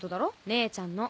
姉ちゃんの。